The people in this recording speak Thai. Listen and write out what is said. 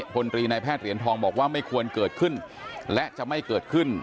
พลตรีนายแพทย์เหรียญทองบอกว่าไม่ควรเกิดขึ้นและจะไม่เกิดขึ้น